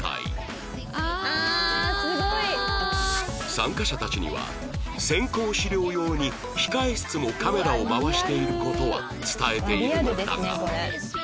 参加者たちには選考資料用に控室もカメラを回している事は伝えているのだが